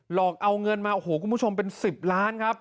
อกเอาเงินมาโอ้โหคุณผู้ชมเป็น๑๐ล้านครับ